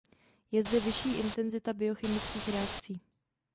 Je zde vyšší intenzita biochemických reakcí.